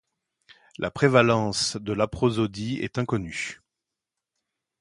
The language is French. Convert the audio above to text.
La prévalence de l'aprosodie est inconnue.